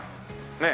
ねえ。